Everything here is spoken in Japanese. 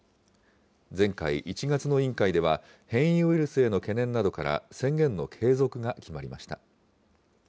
前回・１月の委員会では、変異ウイルスへの懸念などから、宣言の継続が決まりました。